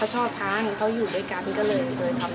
มันจะแป้งมันจะไม่หนักมากเหมือนพิซซ่าอ่าทั่วไปตามท้องตลาดอะค่ะ